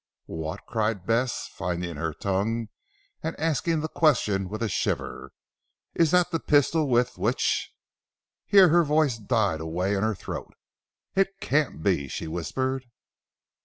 "What?" cried Bess finding her tongue, and asking the question with a shiver. "Is that the pistol with which " here her voice died away in her throat. "It can't be," she whispered.